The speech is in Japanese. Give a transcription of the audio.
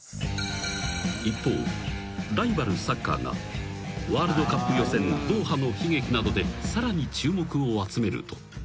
［一方ライバルサッカーがワールドカップ予選ドーハの悲劇などでさらに注目を集めると］